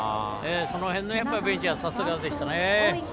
その辺のベンチはさすがでしたね。